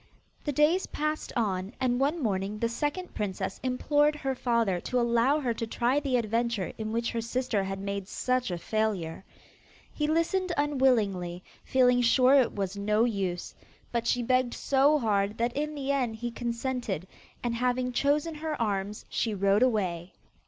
The days passed on, and one morning the second princess implored her father to allow her to try the adventure in which her sister had made such a failure. He listened unwillingly, feeling sure it was no use, but she begged so hard that in the end he consented, and having chosen her arms, she rode away.